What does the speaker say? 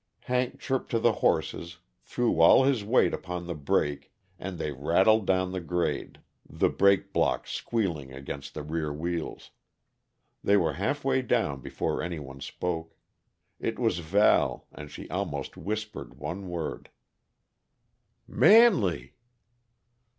Hank chirped to the horses, threw all his weight upon the brake, and they rattled down the grade, the brake block squealing against the rear wheels. They were half way down before any one spoke. It was Val, and she almost whispered one word: "Manley!"